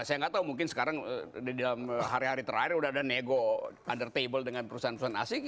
saya gak tahu mungkin sekarang di dalam hari hari terakhir udah ada nego under table dengan perusahaan perusahaan asing